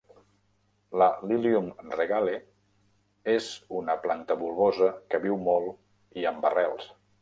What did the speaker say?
La "lilium regale" és una planta bulbosa, que viu molt i amb arrels.